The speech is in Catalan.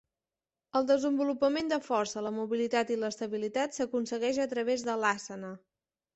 El desenvolupament de força, la mobilitat i l'estabilitat s'aconsegueix a través de l'àssana.